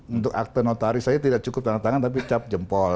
untuk akte notaris saja tidak cukup tanda tangan tapi cap jempol